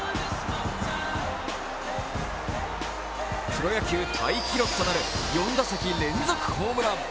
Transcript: プロ野球タイ記録となる４打席連続ホームラン。